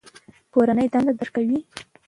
کورنۍ دنده درکوي؟